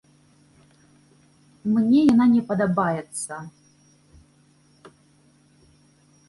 Мне яна не падабаецца.